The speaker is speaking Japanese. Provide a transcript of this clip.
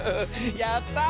やった！